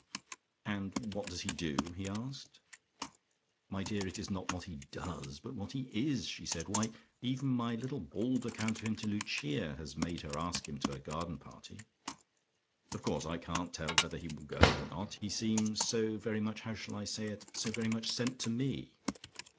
"And what does he do?" he asked. "My dear, it is not what he does, but what he is," said she. "Why, even my little bald account of him to Lucia has made her ask him to her garden party. Of course I can't tell whether he will go or not. He seems so very much how shall I say it? so very much sent to Me.